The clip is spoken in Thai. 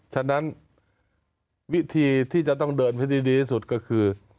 ฉะนั้นวิธีที่จะต้องเดินให้ดีที่สุดก็คือ